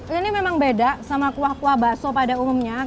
ini memang beda sama kuah kuah bakso pada saat kita makan